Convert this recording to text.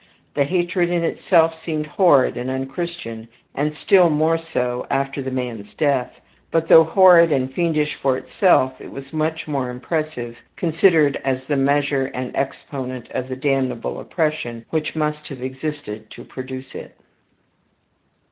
The hatred in itself seemed horrid and unchristian, and still more so after the man's death; but, though horrid and fiendish for itself, it was much more impressive, considered as the measure and exponent of the damnable oppression which must have existed to produce it.